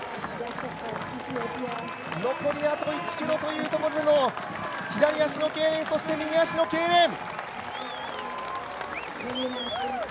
残りあと１ｋｍというところで左足のけいれんそして右足のけいれん。